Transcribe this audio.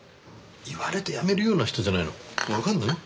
言われてやめるような人じゃないのわかんない？